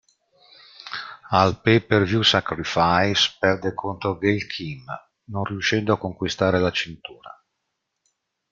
Al pay-per-view Sacrifice, perde contro Gail Kim non riuscendo a conquistare la cintura.